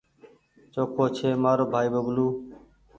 چوکو ڇي مآرو ڀآئي ببلو